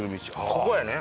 ここやね。